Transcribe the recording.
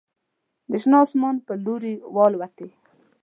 د شنه اسمان په لوري والوتې